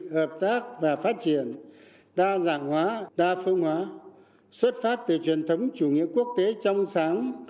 hợp tác và phát triển đa dạng hóa đa phương hóa xuất phát từ truyền thống chủ nghĩa quốc tế trong sáng